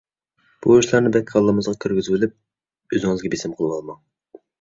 بۇ ئىشلارنى بەك كاللىڭىزغا كىرگۈزۈۋېلىپ ئۆزىڭىزگە بېسىم قىلىۋالماڭ.